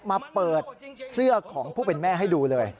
มาเปิดเสื้อของผู้เป็นแม่ให้ดูเลย